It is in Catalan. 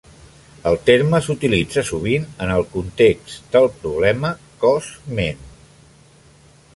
El terme s'utilitza sovint en el context del problema cos-ment.